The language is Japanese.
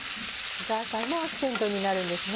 ザーサイもアクセントになるんですね。